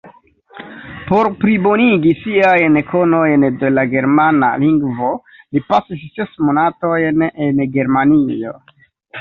Por plibonigi siajn konojn de la germana lingvo li pasis ses monatojn en Germanio.